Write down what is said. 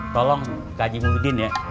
tolong ke haji muhyiddin ya